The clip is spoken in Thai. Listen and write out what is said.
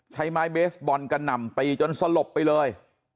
ใช้ไม้เบสบอลกระหน่ำตีจนสลบไปเลย